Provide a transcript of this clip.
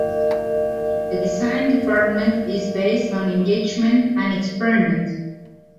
The design department is based on engagement and experiment.